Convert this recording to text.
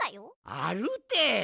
あるて。